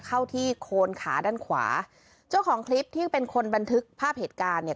เข้าที่โคนขาด้านขวาเจ้าของคลิปที่เป็นคนบันทึกภาพเหตุการณ์เนี่ย